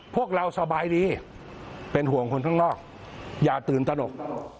พวกเราสบายดีเป็นห่วงคนข้างนอกอย่าตื่นตนก